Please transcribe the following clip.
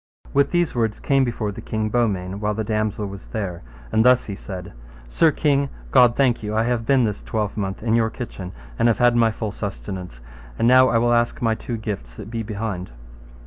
With these words came before the king Beaumains, while the damosel was there, and thus he said, Sir king, God thank you, I have been this twelvemonth in your kitchen, and have had my full sustenance, and now I will ask my two gifts that be behind.